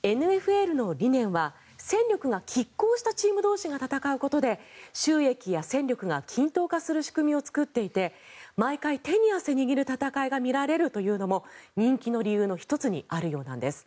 ＮＦＬの理念は戦力がきっ抗したチーム同士が戦うことで収益などが均衡化する仕組みを取っていて見られるというのも人気の理由の１つにあるようなんです。